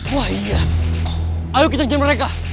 wah iyan ayo kita jalanin mereka